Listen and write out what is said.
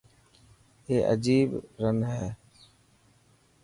اي اجيب رن هي.